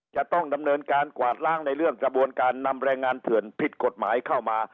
จะต้องดำเนินการกวาดล้างในเรื่องกระบวนการนำแรงงานเถื่อนผิดกฎหมายเข้ามา